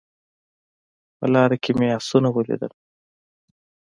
په لاره کې مې اسونه ولیدل